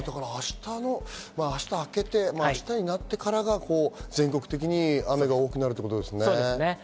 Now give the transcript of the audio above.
明日あけて、明日になってからが全国的に雨が多くなるということですね。